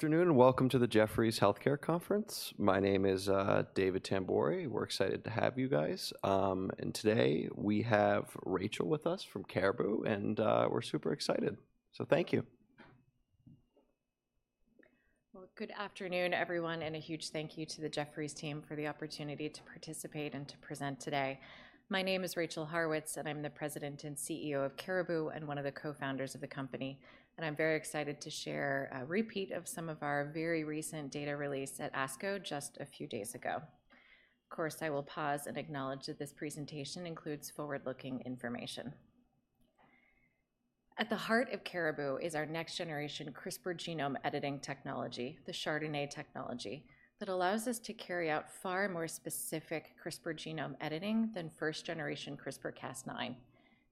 Good afternoon, and welcome to the Jefferies Healthcare Conference. My name is David Tamburri. We're excited to have you guys. Today, we have Rachel with us from Caribou, and we're super excited. Thank you. Well, good afternoon, everyone, and a huge thank you to the Jefferies team for the opportunity to participate and to present today. My name is Rachel Haurwitz, and I'm the President and CEO of Caribou, and one of the Co-Founders of the company. And I'm very excited to share a repeat of some of our very recent data release at ASCO just a few days ago. Of course, I will pause and acknowledge that this presentation includes forward-looking information. At the heart of Caribou is our next-generation CRISPR genome editing technology, the chRDNA technology, that allows us to carry out far more specific CRISPR genome editing than first-generation CRISPR-Cas9.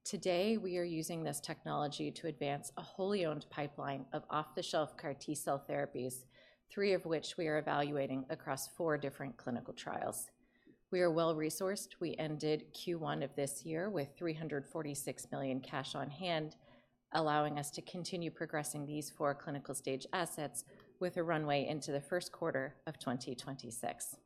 Today, we are using this technology to advance a wholly-owned pipeline of off-the-shelf CAR-T cell therapies, three of which we are evaluating across four different clinical trials. We are well-resourced. We ended Q1 of this year with $346 million cash on hand, allowing us to continue progressing these four clinical stage assets with a runway into the first quarter of 2026.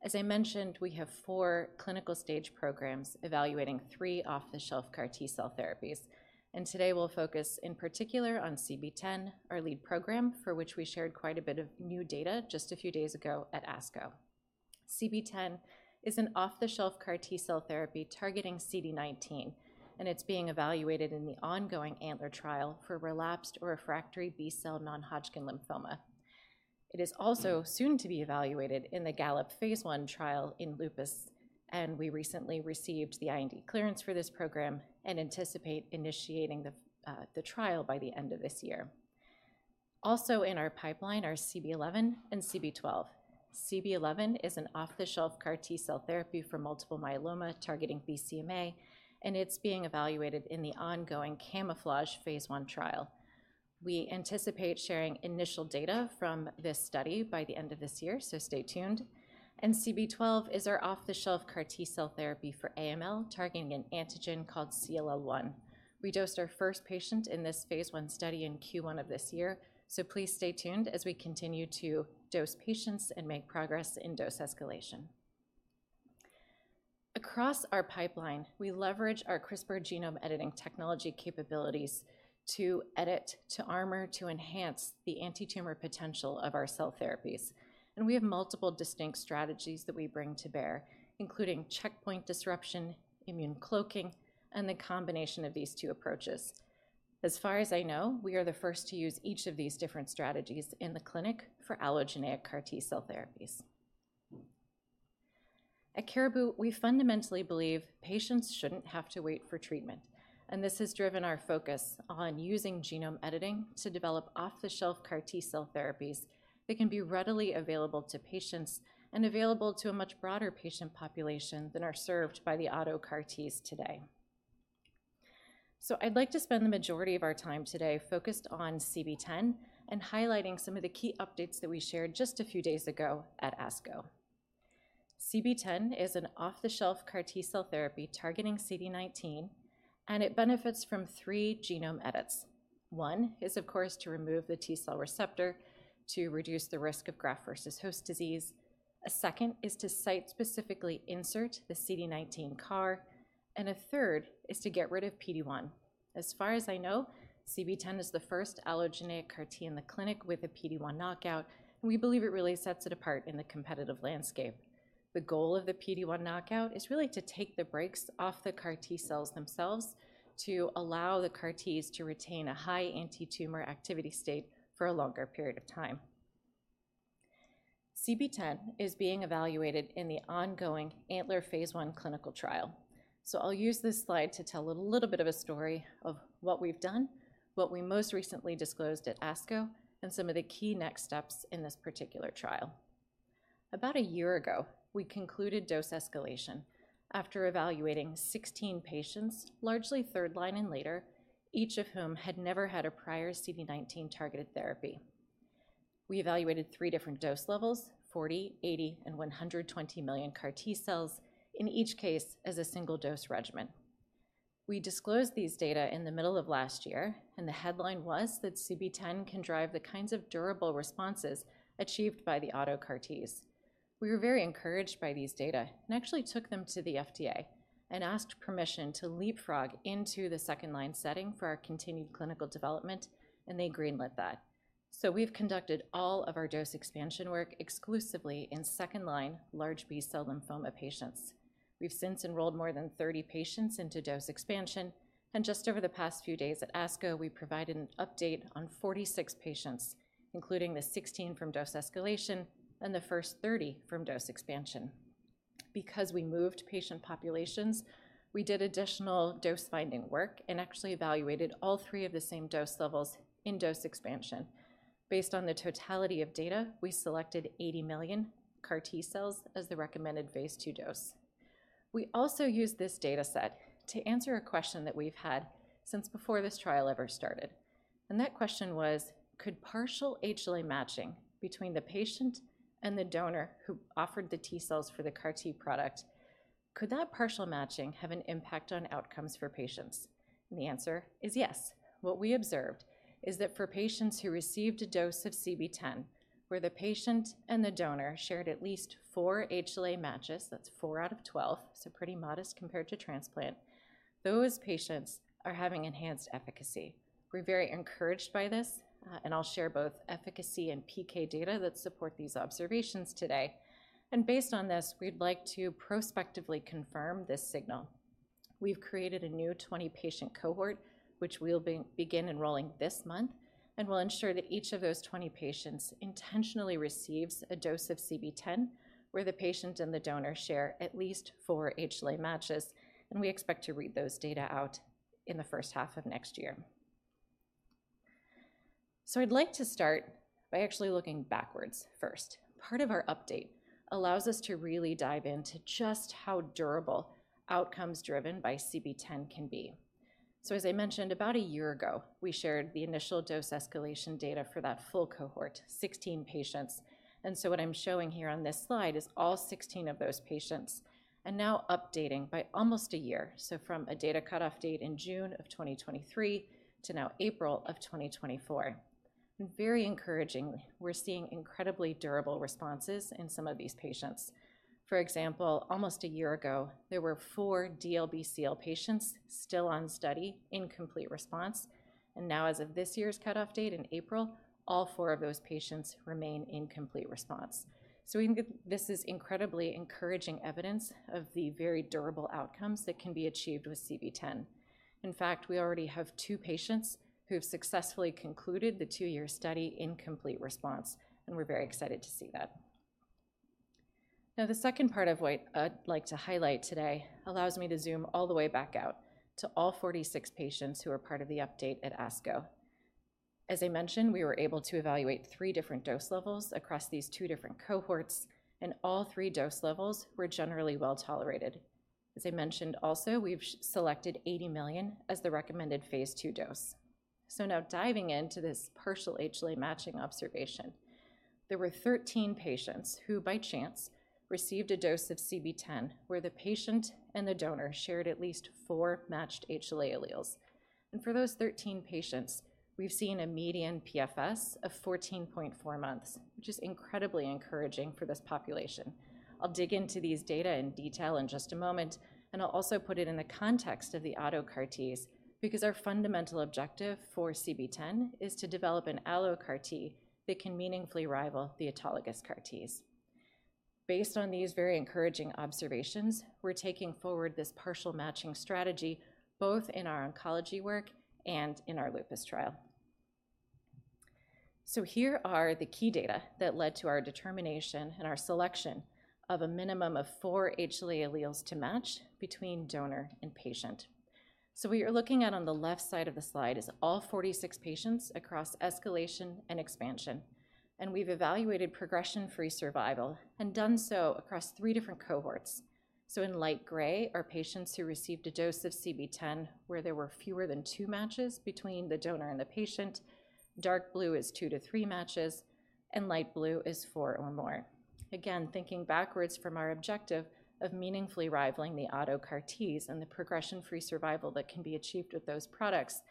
As I mentioned, we have four clinical stage programs evaluating three off-the-shelf CAR-T cell therapies, and today we'll focus in particular on CB-010, our lead program, for which we shared quite a bit of new data just a few days ago at ASCO. CB-010 is an off-the-shelf CAR-T cell therapy targeting CD19, and it's being evaluated in the ongoing ANTLER trial for relapsed or refractory B-cell non-Hodgkin lymphoma. It is also soon to be evaluated in the GALLOP phase I trial in lupus, and we recently received the IND clearance for this program and anticipate initiating the trial by the end of this year. Also in our pipeline are CB-011 and CB-012. CB-011 is an off-the-shelf CAR-T cell therapy for multiple myeloma targeting BCMA, and it's being evaluated in the ongoing CaMMouflage phase I trial. We anticipate sharing initial data from this study by the end of this year, so stay tuned. CB-012 is our off-the-shelf CAR-T cell therapy for AML, targeting an antigen called CLL-1. We dosed our first patient in this phase I study in Q1 of this year, so please stay tuned as we continue to dose patients and make progress in dose escalation. Across our pipeline, we leverage our CRISPR genome editing technology capabilities to edit, to armor, to enhance the anti-tumor potential of our cell therapies. We have multiple distinct strategies that we bring to bear, including checkpoint disruption, immune cloaking, and the combination of these two approaches. As far as I know, we are the first to use each of these different strategies in the clinic for allogeneic CAR-T cell therapies. At Caribou, we fundamentally believe patients shouldn't have to wait for treatment, and this has driven our focus on using genome editing to develop off-the-shelf CAR-T cell therapies that can be readily available to patients and available to a much broader patient population than are served by the auto CAR-Ts today. So I'd like to spend the majority of our time today focused on CB-010 and highlighting some of the key updates that we shared just a few days ago at ASCO. CB-010 is an off-the-shelf CAR-T cell therapy targeting CD19, and it benefits from three genome edits. One is, of course, to remove the T-cell receptor to reduce the risk of graft versus host disease. A second is to site-specifically insert the CD19 CAR, and a third is to get rid of PD-1. As far as I know, CB-010 is the first allogeneic CAR-T in the clinic with a PD-1 knockout, and we believe it really sets it apart in the competitive landscape. The goal of the PD-1 knockout is really to take the brakes off the CAR-T cells themselves, to allow the CAR-Ts to retain a high anti-tumor activity state for a longer period of time. CB-010 is being evaluated in the ongoing ANTLER phase I clinical trial. So I'll use this slide to tell a little bit of a story of what we've done, what we most recently disclosed at ASCO, and some of the key next steps in this particular trial. About a year ago, we concluded dose escalation after evaluating 16 patients, largely third line and later, each of whom had never had a prior CD19 targeted therapy. We evaluated three different dose levels: 40, 80, and 120 million CAR-T cells, in each case as a single dose regimen. We disclosed these data in the middle of last year, and the headline was that CB-010 can drive the kinds of durable responses achieved by the auto CAR-Ts. We were very encouraged by these data and actually took them to the FDA and asked permission to leapfrog into the second-line setting for our continued clinical development, and they greenlit that. So we've conducted all of our dose expansion work exclusively in second-line large B-cell lymphoma patients. We've since enrolled more than 30 patients into dose expansion, and just over the past few days at ASCO, we provided an update on 46 patients, including the 16 from dose escalation and the first 30 from dose expansion. Because we moved patient populations, we did additional dose-finding work and actually evaluated all three of the same dose levels in dose expansion. Based on the totality of data, we selected 80 million CAR-T cells as the recommended phase II dose. We also used this data set to answer a question that we've had since before this trial ever started, and that question was: Could partial HLA matching between the patient and the donor who offered the T-cells for the CAR-T product have an impact on outcomes for patients? And the answer is yes. What we observed is that for patients who received a dose of CB-010, where the patient and the donor shared at least four HLA matches, that's four out of 12, so pretty modest compared to transplant, those patients are having enhanced efficacy. We're very encouraged by this, and I'll share both efficacy and PK data that support these observations today. Based on this, we'd like to prospectively confirm this signal. We've created a new 20-patient cohort, which we'll begin enrolling this month, and we'll ensure that each of those 20 patients intentionally receives a dose of CB-010, where the patient and the donor share at least four HLA matches, and we expect to read those data out in the first half of next year. So I'd like to start by actually looking backwards first. Part of our update allows us to really dive into just how durable outcomes driven by CB-010 can be. So, as I mentioned, about a year ago, we shared the initial dose escalation data for that full cohort, 16 patients. So what I'm showing here on this slide is all 16 of those patients and now updating by almost a year, so from a data cutoff date in June 2023 to now April 2024. Very encouragingly, we're seeing incredibly durable responses in some of these patients. For example, almost a year ago, there were 4 DLBCL patients still on study in complete response, and now, as of this year's cutoff date in April, all 4 of those patients remain in complete response. So we can get, this is incredibly encouraging evidence of the very durable outcomes that can be achieved with CB-010. In fact, we already have 2 patients who have successfully concluded the 2-year study in complete response, and we're very excited to see that. Now, the second part of what I'd like to highlight today allows me to zoom all the way back out to all 46 patients who are part of the update at ASCO. As I mentioned, we were able to evaluate 3 different dose levels across these 2 different cohorts, and all 3 dose levels were generally well tolerated. As I mentioned also, we've selected 80 million as the recommended phase II dose. So now diving into this partial HLA matching observation, there were 13 patients who, by chance, received a dose of CB-010, where the patient and the donor shared at least four matched HLA alleles. For those 13 patients, we've seen a median PFS of 14.4 months, which is incredibly encouraging for this population. I'll dig into these data in detail in just a moment, and I'll also put it in the context of the auto CAR-Ts, because our fundamental objective for CB-010 is to develop an allo CAR-T that can meaningfully rival the autologous CAR-Ts. Based on these very encouraging observations, we're taking forward this partial matching strategy, both in our oncology work and in our lupus trial. Here are the key data that led to our determination and our selection of a minimum of four HLA alleles to match between donor and patient. What you're looking at on the left side of the slide is all 46 patients across escalation and expansion, and we've evaluated progression-free survival and done so across three different cohorts. So in light gray are patients who received a dose of CB-010, where there were fewer than 2 matches between the donor and the patient. Dark blue is 2-3 matches, and light blue is 4 or more. Again, thinking backwards from our objective of meaningfully rivaling the auto CAR-Ts and the progression-free survival that can be achieved with those products,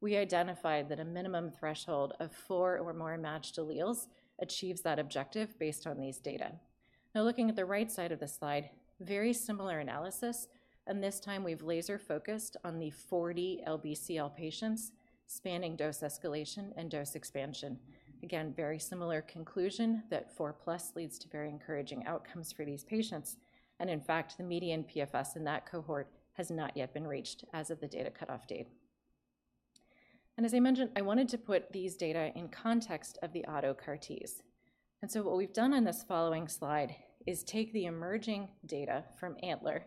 we identified that a minimum threshold of 4 or more matched alleles achieves that objective based on these data. Now, looking at the right side of the slide, very similar analysis, and this time we've laser-focused on the 40 LBCL patients spanning dose escalation and dose expansion. Again, very similar conclusion that 4+ leads to very encouraging outcomes for these patients. And in fact, the median PFS in that cohort has not yet been reached as of the data cutoff date. As I mentioned, I wanted to put these data in context of the auto CAR-Ts. So what we've done on this following slide is take the emerging data from ANTLER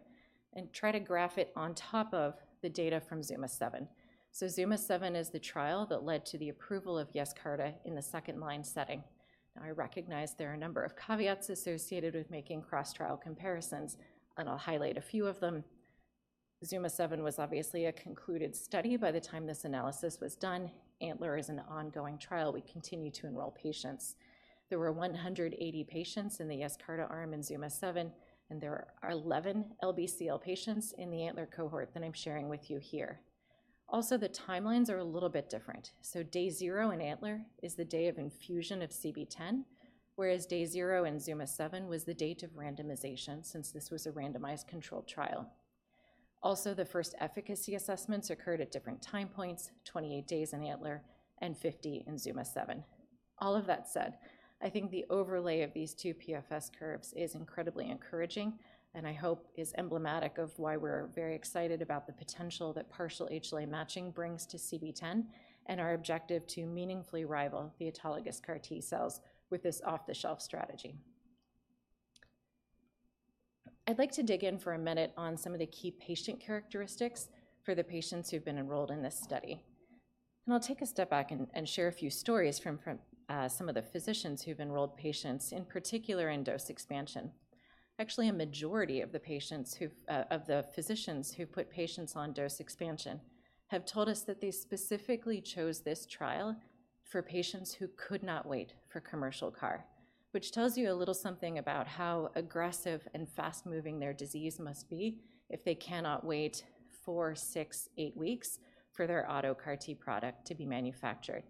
and try to graph it on top of the data from ZUMA-7. ZUMA-7 is the trial that led to the approval of Yescarta in the second-line setting. Now, I recognize there are a number of caveats associated with making cross-trial comparisons, and I'll highlight a few of them. ZUMA-7 was obviously a concluded study by the time this analysis was done. ANTLER is an ongoing trial. We continue to enroll patients. There were 180 patients in the Yescarta arm in ZUMA-7, and there are 11 LBCL patients in the ANTLER cohort that I'm sharing with you here. Also, the timelines are a little bit different. So day zero in ANTLER is the day of infusion of CB-010, whereas day zero in ZUMA-7 was the date of randomization, since this was a randomized controlled trial. Also, the first efficacy assessments occurred at different time points, 28 days in ANTLER and 50 in ZUMA-7. All of that said, I think the overlay of these two PFS curves is incredibly encouraging and I hope is emblematic of why we're very excited about the potential that partial HLA matching brings to CB-010 and our objective to meaningfully rival the autologous CAR-T cells with this off-the-shelf strategy. I'd like to dig in for a minute on some of the key patient characteristics for the patients who've been enrolled in this study. And I'll take a step back and share a few stories from some of the physicians who've enrolled patients, in particular, in dose expansion. Actually, a majority of the physicians who put patients on dose expansion have told us that they specifically chose this trial for patients who could not wait for commercial CAR, which tells you a little something about how aggressive and fast-moving their disease must be if they cannot wait 4, 6, 8 weeks for their auto CAR-T product to be manufactured.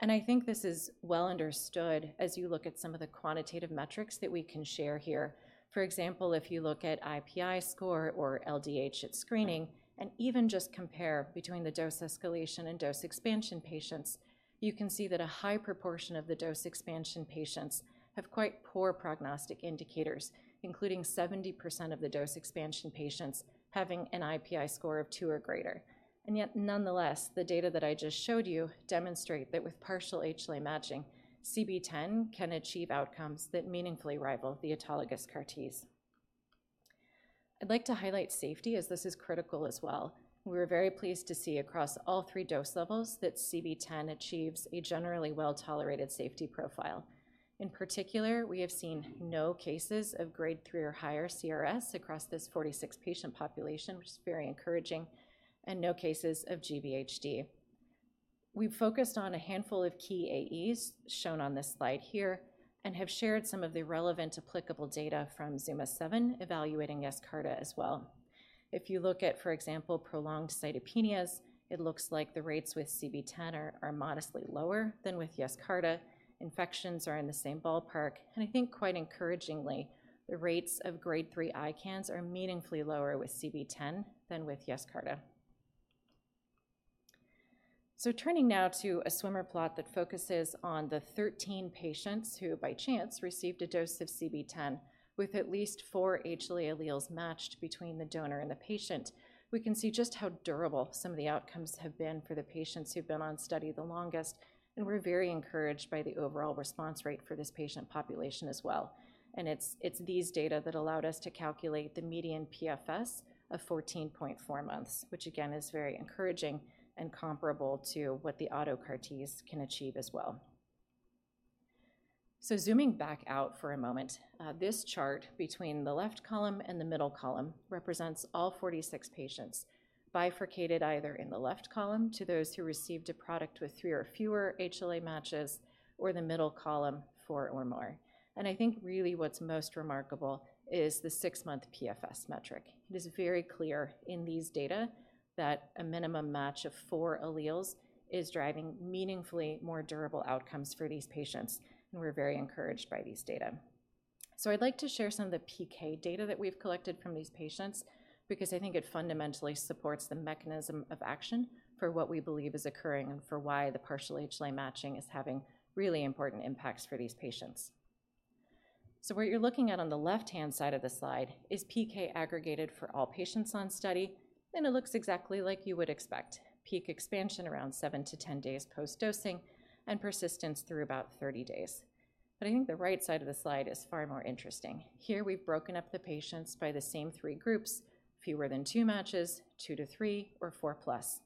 And I think this is well understood as you look at some of the quantitative metrics that we can share here. For example, if you look at IPI score or LDH at screening, and even just compare between the dose escalation and dose expansion patients, you can see that a high proportion of the dose expansion patients have quite poor prognostic indicators, including 70% of the dose expansion patients having an IPI score of 2 or greater. And yet, nonetheless, the data that I just showed you demonstrate that with partial HLA matching, CB-010 can achieve outcomes that meaningfully rival the autologous CAR-Ts. I'd like to highlight safety, as this is critical as well. We're very pleased to see across all 3 dose levels that CB-010 achieves a generally well-tolerated safety profile. In particular, we have seen no cases of Grade 3 or higher CRS across this 46-patient population, which is very encouraging, and no cases of GvHD. We've focused on a handful of key AEs, shown on this slide here, and have shared some of the relevant applicable data from ZUMA-7, evaluating Yescarta as well. If you look at, for example, prolonged cytopenias, it looks like the rates with CB-010 are, are modestly lower than with Yescarta. Infections are in the same ballpark, and I think quite encouragingly, the rates of Grade 3 ICANS are meaningfully lower with CB-010 than with Yescarta. So turning now to a swimmer plot that focuses on the 13 patients who, by chance, received a dose of CB-010, with at least 4 HLA alleles matched between the donor and the patient. We can see just how durable some of the outcomes have been for the patients who've been on study the longest, and we're very encouraged by the overall response rate for this patient population as well. And it's, it's these data that allowed us to calculate the median PFS of 14.4 months, which again, is very encouraging and comparable to what the auto CAR-Ts can achieve as well. So zooming back out for a moment, this chart between the left column and the middle column represents all 46 patients, bifurcated either in the left column to those who received a product with 3 or fewer HLA matches, or the middle column, 4 or more. And I think really what's most remarkable is the 6-month PFS metric. It is very clear in these data that a minimum match of 4 alleles is driving meaningfully more durable outcomes for these patients, and we're very encouraged by these data. So I'd like to share some of the PK data that we've collected from these patients, because I think it fundamentally supports the mechanism of action for what we believe is occurring and for why the partial HLA matching is having really important impacts for these patients. So what you're looking at on the left-hand side of the slide is PK aggregated for all patients on study, and it looks exactly like you would expect. Peak expansion around 7-10 days post-dosing and persistence through about 30 days. But I think the right side of the slide is far more interesting. Here, we've broken up the patients by the same three groups, fewer than 2 matches, 2-3, or 4+.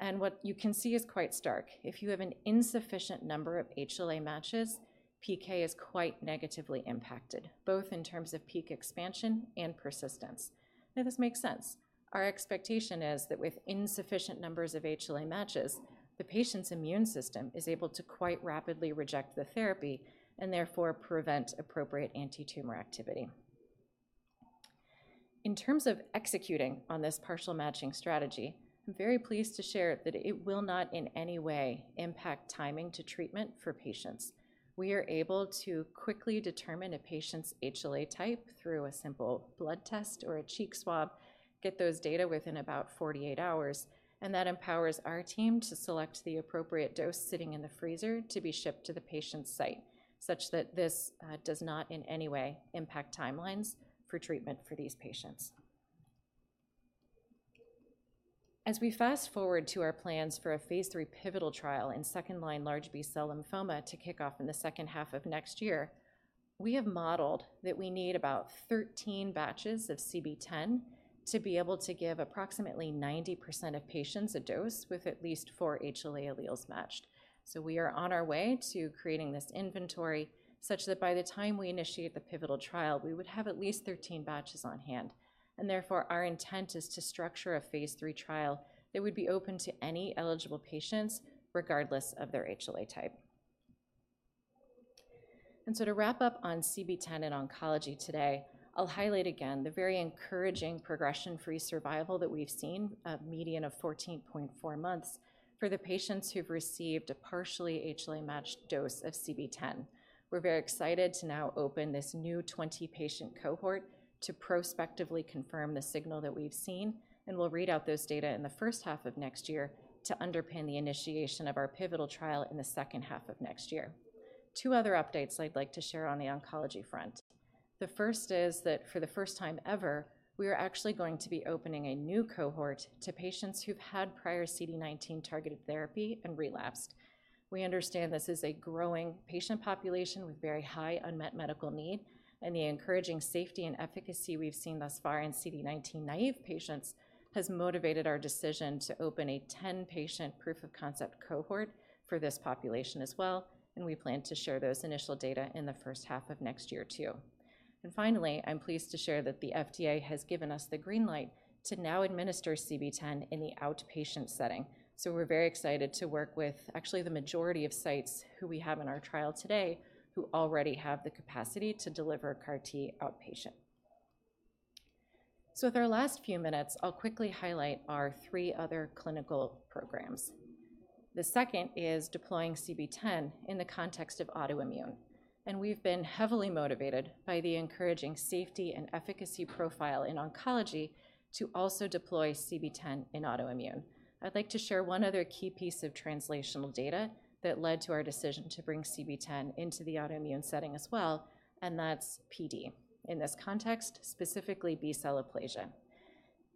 And what you can see is quite stark. If you have an insufficient number of HLA matches, PK is quite negatively impacted, both in terms of peak expansion and persistence. Now, this makes sense. Our expectation is that with insufficient numbers of HLA matches, the patient's immune system is able to quite rapidly reject the therapy and therefore prevent appropriate antitumor activity. In terms of executing on this partial matching strategy, I'm very pleased to share that it will not in any way impact timing to treatment for patients. We are able to quickly determine a patient's HLA type through a simple blood test or a cheek swab, get those data within about 48 hours, and that empowers our team to select the appropriate dose sitting in the freezer to be shipped to the patient's site, such that this does not in any way impact timelines for treatment for these patients. As we fast-forward to our plans for a phase III pivotal trial in second-line large B-cell lymphoma to kick off in the second half of next year, we have modeled that we need about 13 batches of CB-010 to be able to give approximately 90% of patients a dose with at least four HLA alleles matched. So we are on our way to creating this inventory such that by the time we initiate the pivotal trial, we would have at least 13 batches on hand. And therefore, our intent is to structure a phase III trial that would be open to any eligible patients, regardless of their HLA type. And so to wrap up on CB-010 and oncology today, I'll highlight again the very encouraging progression-free survival that we've seen, a median of 14.4 months, for the patients who've received a partially HLA-matched dose of CB-010. We're very excited to now open this new 20-patient cohort to prospectively confirm the signal that we've seen, and we'll read out those data in the first half of next year to underpin the initiation of our pivotal trial in the second half of next year. Two other updates I'd like to share on the oncology front. The first is that for the first time ever, we are actually going to be opening a new cohort to patients who've had prior CD19-targeted therapy and relapsed. We understand this is a growing patient population with very high unmet medical need, and the encouraging safety and efficacy we've seen thus far in CD19-naive patients has motivated our decision to open a 10-patient proof of concept cohort for this population as well, and we plan to share those initial data in the first half of next year, too. Finally, I'm pleased to share that the FDA has given us the green light to now administer CB-010 in the outpatient setting. So we're very excited to work with actually the majority of sites who we have in our trial today, who already have the capacity to deliver CAR-T outpatient. So with our last few minutes, I'll quickly highlight our three other clinical programs. The second is deploying CB-010 in the context of autoimmune, and we've been heavily motivated by the encouraging safety and efficacy profile in oncology to also deploy CB-010 in autoimmune. I'd like to share one other key piece of translational data that led to our decision to bring CB-010 into the autoimmune setting as well, and that's PD. In this context, specifically, B-cell aplasia.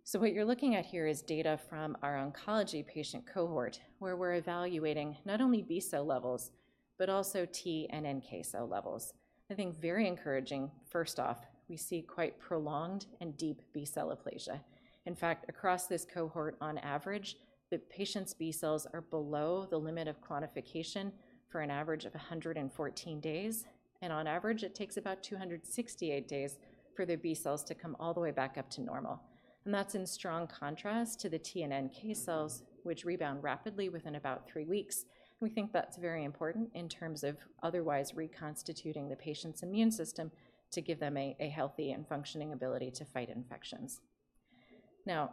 So what you're looking at here is data from our oncology patient cohort, where we're evaluating not only B-cell levels, but also T and NK cell levels. I think very encouraging, first off. We see quite prolonged and deep B-cell aplasia. In fact, across this cohort, on average, the patient's B cells are below the limit of quantification for an average of 114 days, and on average it takes about 268 days for their B cells to come all the way back up to normal. That's in strong contrast to the T and NK cells, which rebound rapidly within about 3 weeks. We think that's very important in terms of otherwise reconstituting the patient's immune system to give them a, a healthy and functioning ability to fight infections. Now,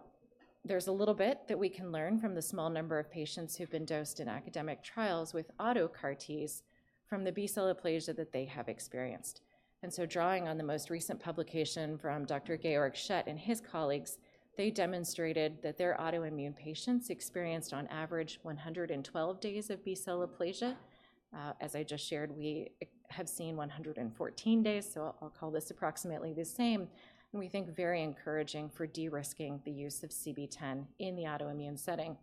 there's a little bit that we can learn from the small number of patients who've been dosed in academic trials with auto CAR-Ts from the B-cell aplasia that they have experienced. So, drawing on the most recent publication from Dr. Georg Schett and his colleagues, they demonstrated that their autoimmune patients experienced on average 112 days of B-cell aplasia. Uh, as I just shared, we have seen 114 days, so I'll call this approximately the same, and we think very encouraging for de-risking the use of CB-010 in the autoimmune setting.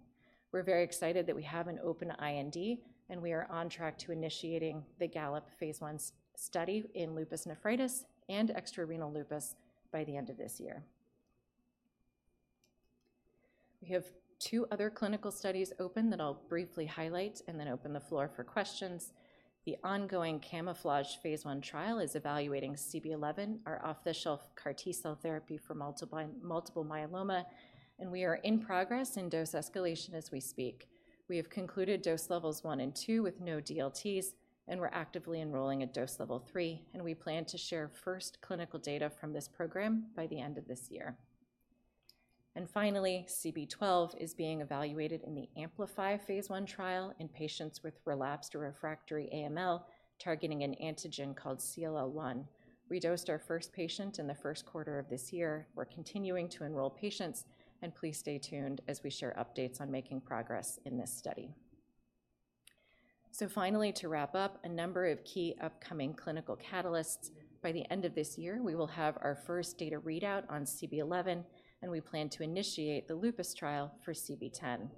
We're very excited that we have an open IND, and we are on track to initiating the GALLOP phase I study in lupus nephritis and extrarenal lupus by the end of this year. We have two other clinical studies open that I'll briefly highlight and then open the floor for questions. The ongoing CaMMouflage phase I trial is evaluating CB-011, our off-the-shelf CAR-T cell therapy for multiple myeloma, and we are in progress in dose escalation as we speak. We have concluded dose levels 1 and 2 with no DLTs, and we're actively enrolling at dose level 3, and we plan to share first clinical data from this program by the end of this year. And finally, CB-012 is being evaluated in the AMpLify phase I trial in patients with relapsed or refractory AML, targeting an antigen called CLL-1. We dosed our first patient in the first quarter of this year. We're continuing to enroll patients, and please stay tuned as we share updates on making progress in this study. So finally, to wrap up, a number of key upcoming clinical catalysts. By the end of this year, we will have our first data readout on CB-011, and we plan to initiate the lupus trial for CB-010.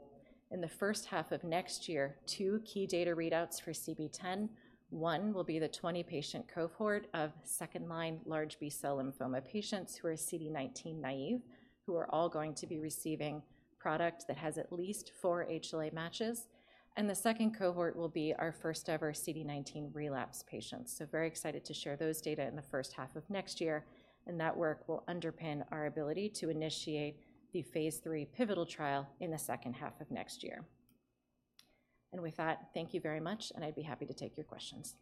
In the first half of next year, two key data readouts for CB-010, one will be the 20-patient cohort of second-line large B-cell lymphoma patients who are CD19 naive, who are all going to be receiving product that has at least four HLA matches, and the second cohort will be our first-ever CD19 relapse patients. So very excited to share those data in the first half of next year, and that work will underpin our ability to initiate the phase III pivotal trial in the second half of next year. And with that, thank you very much, and I'd be happy to take your questions.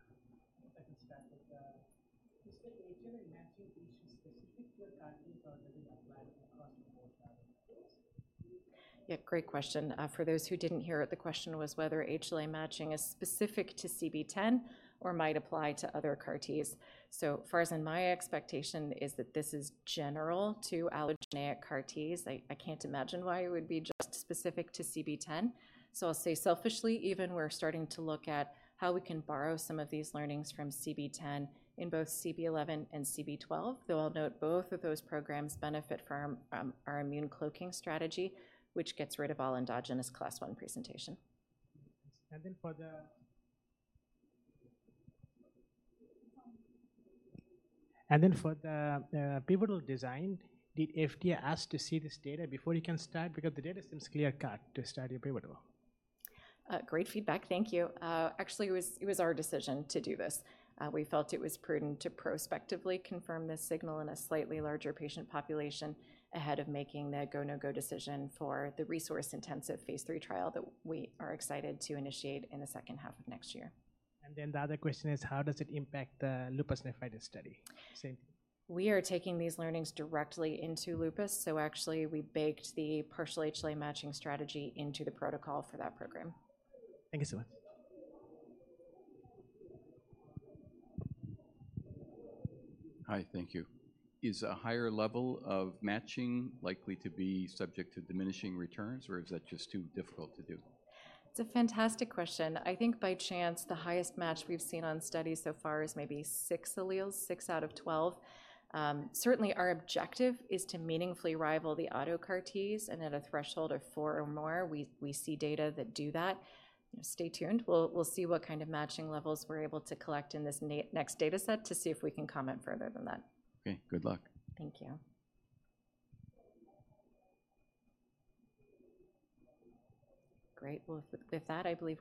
I can start with, is the HLA matching specific to your CAR-T or does it apply across the board? Yeah, great question. For those who didn't hear it, the question was whether HLA matching is specific to CB-010 or might apply to other CAR-Ts. So far as in my expectation is that this is general to allogeneic CAR-Ts. I can't imagine why it would be just specific to CB-010. So I'll say selfishly even, we're starting to look at how we can borrow some of these learnings from CB-010 in both CB-011 and CB-012, though I'll note both of those programs benefit from our immune cloaking strategy, which gets rid of all endogenous Class I presentation. And then for the pivotal design, did FDA ask to see this data before you can start? Because the data seems clear-cut to start your pivotal. Great feedback. Thank you. Actually, it was, it was our decision to do this. We felt it was prudent to prospectively confirm this signal in a slightly larger patient population ahead of making the go/no-go decision for the resource-intensive phase III trial that we are excited to initiate in the second half of next year. Then the other question is, how does it impact the lupus nephritis study? Same... We are taking these learnings directly into Lupus, so actually we baked the partial HLA matching strategy into the protocol for that program. Thank you so much. Hi, thank you. Is a higher level of matching likely to be subject to diminishing returns, or is that just too difficult to do? It's a fantastic question. I think by chance, the highest match we've seen on studies so far is maybe 6 alleles, 6 out of 12. Certainly our objective is to meaningfully rival the auto CAR-Ts and at a threshold of 4 or more, we see data that do that. Stay tuned. We'll see what kind of matching levels we're able to collect in this next dataset to see if we can comment further than that. Okay. Good luck. Thank you. Great. Well, with that, I believe we're-